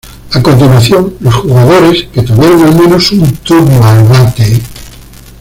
A continuación los jugadores que tuvieron al menos un turno al bate.